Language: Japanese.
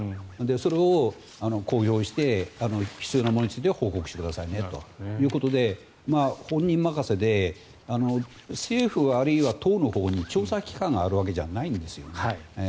それを公表して必要なものについては報告してくださいねということで本人任せで政府、あるいは党に調査機関があるわけじゃないんですよね。